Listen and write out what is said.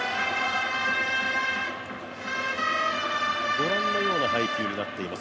ご覧のような配球になっています。